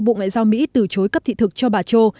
bộ ngoại giao mỹ từ chối cấp thị thực cho bà châu